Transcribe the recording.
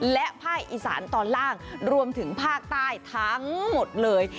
และภาคอีสานตอนล่างรวมถึงภาคใต้ทั้งหมดเลย